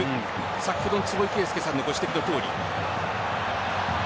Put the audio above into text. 先ほどの坪井慶介さんのご指摘のとおり。